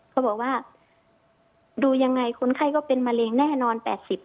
เขาบอกว่าดูยังไงคนไข้ก็เป็นมะเร็งแน่นอน๘๐